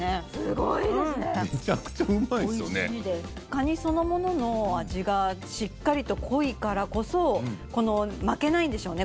カニそのものの味がしっかりと濃いからこそ負けないんでしょうね